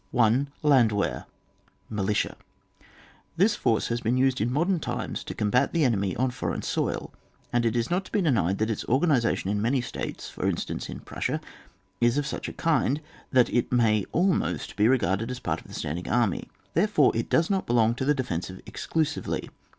1. — Landwehr ^Militia J. This force hasbeen used in modem times to combat the enemy on foreign soil; and it is not to be denied that its organisation in many states, for instance in Fjrussia, is of such a kind, that it may almost be regarded as part of the standing army, therefore it does not belong to the de* fensive exclusively.